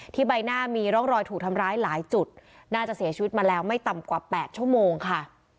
ใบหน้ามีร่องรอยถูกทำร้ายหลายจุดน่าจะเสียชีวิตมาแล้วไม่ต่ำกว่า๘ชั่วโมงค่ะ